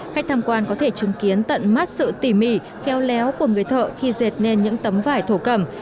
khách tham quan có thể chứng kiến tận mắt sự tỉ mỉ kheo léo của người thợ khi dệt lên những tấm vải thổ cẩm